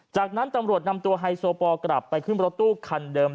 จากนั้นตำรวจนำตัวไฮโซปอลกลับไปขึ้นรถตู้คันเดิม